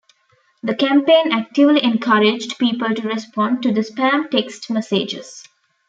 The campaign actively encouraged people to respond to the spam text messages.